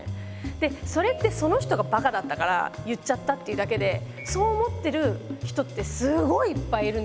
でそれってその人がバカだったから言っちゃったっていうだけでそう思ってる人ってすごいいっぱいいるんだと思うんですよ。